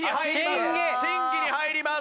審議に入ります。